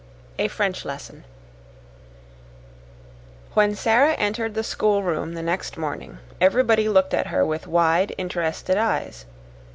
2 A French Lesson When Sara entered the schoolroom the next morning everybody looked at her with wide, interested eyes.